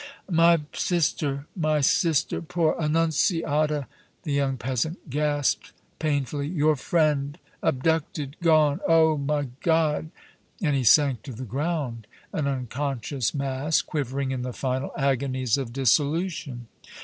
"My sister my sister poor Annunziata!" the young peasant gasped, painfully. "Your friend abducted gone! Oh! my God!" and he sank to the ground an unconscious mass, quivering in the final agonies of dissolution.